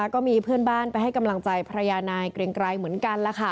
ก็มีเพื่อนบ้านไปให้กำลังใจภรรยานายเกรงไกรเหมือนกัน